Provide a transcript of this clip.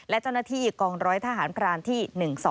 และเจ้าหน้าที่กองร้อยทหารพรานที่๑๒